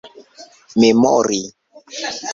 memori